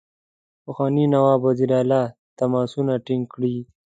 پخواني نواب وزیر علي تماسونه ټینګ کړي.